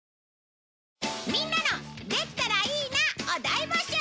「みんなのできたらいいな」を大募集！